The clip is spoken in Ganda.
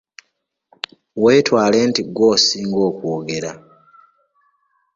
Weetwale nti ggwe osinga okwogera.